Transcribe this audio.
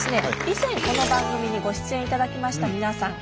以前この番組にご出演いただきました皆さん